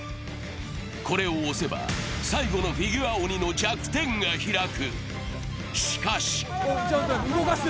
これを押せば、最後のフィギュア鬼の弱点が開く。